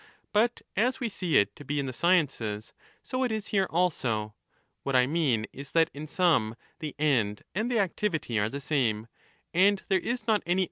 But as we see it to be in the sciences, so it is here also. What I mean is that in some the end and the activity are the same, and there is not any 18 39 = E.